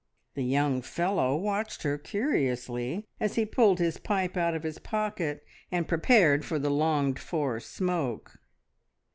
The young fellow watched her curiously as he pulled his pipe out of his pocket and prepared for the longed for smoke.